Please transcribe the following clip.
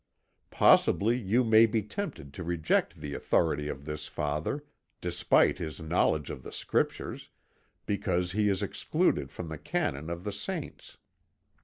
Possibly you may be tempted to reject the authority of this Father, despite his knowledge of the Scriptures, because he is excluded from the Canon of the Saints.